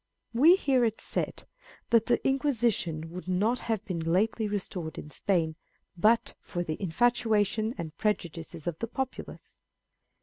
We hear it said, that the Inquisition would not have been lately restored in Spain but for the infatuation and prejudices of the populace.